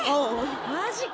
マジか。